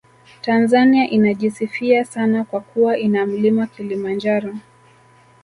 Tanzania inajisifia sana kwa kuwa ina Mlima Kilimanjaro